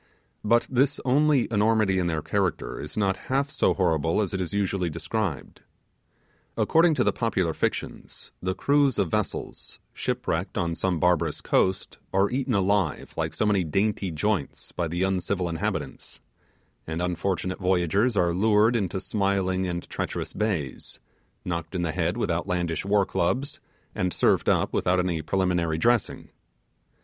But this only enormity in their character is not half so horrible as it is usually described. According to the popular fictions, the crews of vessels, shipwrecked on some barbarous coast, are eaten alive like so many dainty joints by the uncivil inhabitants; and unfortunate voyagers are lured into smiling and treacherous bays; knocked on the head with outlandish war clubs; and served up without any prelimary dressing.